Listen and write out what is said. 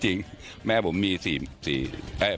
จริงแม่ผมมี๔นะครับ